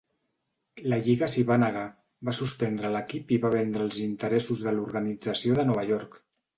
La lliga s'hi va negar, va suspendre l'equip i va vendre els interessos de l'organització de Nova York.